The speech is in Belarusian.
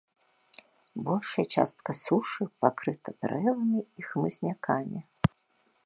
Большая частка сушы пакрыта дрэвамі і хмызнякамі.